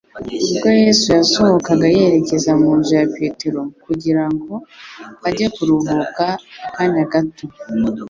ubwo Yesu yasohokaga yerekeza mu nzu ya Petero kugira ngo ajye kuruhuka akanya gato.